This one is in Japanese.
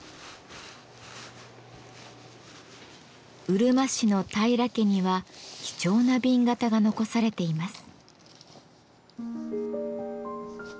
うるま市の平良家には貴重な紅型が残されています。